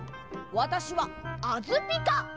わたしはあづピカ！